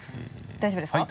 大丈夫ですか？